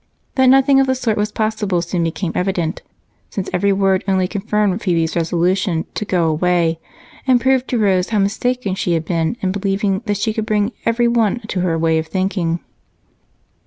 That nothing of the sort was possible soon became evident, since every word uttered only confirmed Phebe's resolution to go away and proved to Rose how mistaken she had been in believing that she could bring everyone to her way of thinking.